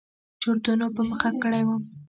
چورتونو په مخه کړى وم.